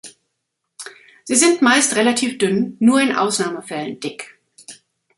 Sie sind meist relativ dünn, nur in Ausnahmefällen dick.